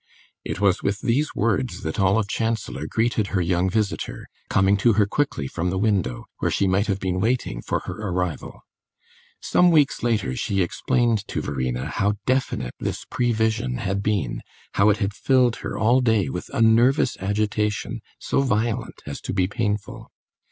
It was with these words that Olive Chancellor greeted her young visitor, coming to her quickly from the window, where she might have been waiting for her arrival. Some weeks later she explained to Verena how definite this prevision had been, how it had filled her all day with a nervous agitation so violent as to be painful.